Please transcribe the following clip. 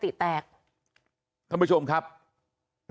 ลูกสาวหลายครั้งแล้วว่าไม่ได้คุยกับแจ๊บเลยลองฟังนะคะ